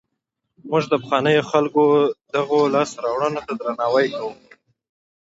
موږ د پخوانیو خلکو دغو لاسته راوړنو ته درناوی کوو.